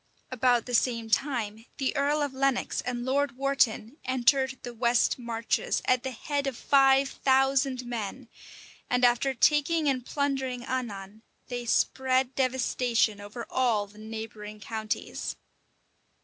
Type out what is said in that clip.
About the same time, the earl of Lenox and Lord Wharton entered the west marches, at the head of five thousand men; and after taking and plundering Annan, they spread devastation over all the neighboring counties.